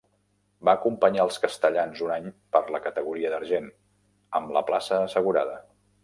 Va acompanyar als castellans un any per la categoria d'argent, amb la plaça assegurada.